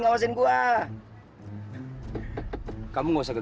masih mau ripet